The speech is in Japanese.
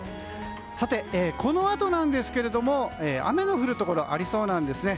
さて、このあとなんですけども雨の降るところありそうなんですね。